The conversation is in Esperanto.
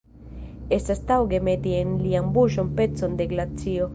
Estas taŭge meti en lian buŝon pecon de glacio.